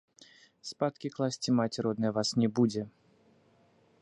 Спаткі класці маці родная вас не будзе.